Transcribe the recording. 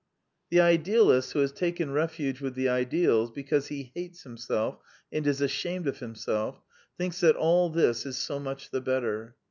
The idealist, who has taken refuge with the ideals because he hates himself and is ashamed of himself, thinks that all this is so much the better.